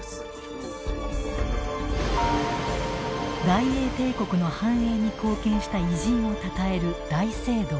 大英帝国の繁栄に貢献した偉人をたたえる大聖堂。